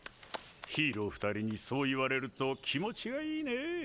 ヒーロー２人にそう言われると気持ちがいいねぇ。